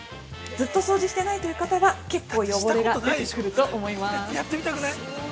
ずっと掃除してないという方が結構汚れが出てくると思います。